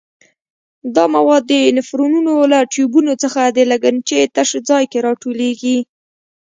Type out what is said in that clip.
دا مواد د نفرونونو له ټیوبونو څخه د لګنچې تش ځای کې را ټولېږي.